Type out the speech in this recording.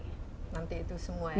nanti itu semua ya